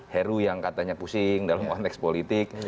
heru yang katanya pusing dalam konteks politik